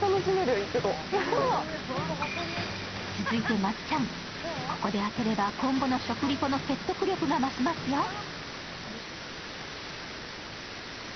続いてまっちゃん、ここで当てれば今後の食リポの説得力が増しますよ。